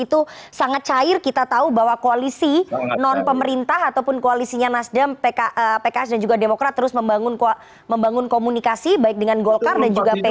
itu sangat cair kita tahu bahwa koalisi non pemerintah ataupun koalisinya nasdem pks dan juga demokrat terus membangun komunikasi baik dengan golkar dan juga p tiga